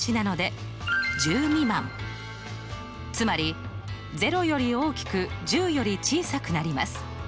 つまり０より大きく１０より小さくなります。